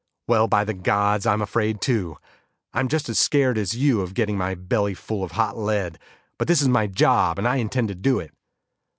"Well, by the Gods, I'm afraid too. I'm just as scared as you of getting my belly full of hot lead. But this is my job, and I intend to do it."